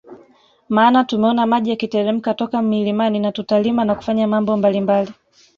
Maana tumeona maji yakiteremka toka milimani na tutalima na kufanya mambo mbalimbali